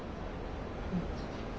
うん。